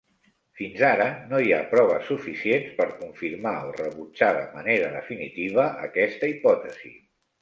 Fins ara, no hi ha proves suficients per confirmar o rebutjar de manera definitiva aquesta hipòtesi.